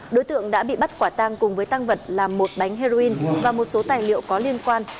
đối tượng đã bị bắt quả tang cùng với tăng vật là một bánh heroin và một số tài liệu có liên quan